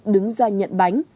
đứng ra nhận bánh